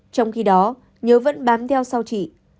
trong khi đó nhớ vẫn bám theo sau chị